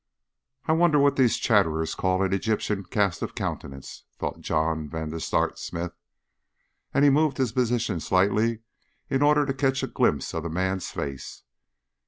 "I wonder what these chatterers call an Egyptian cast of countenance," thought John Vansittart Smith, and he moved his position slightly in order to catch a glimpse of the man's face.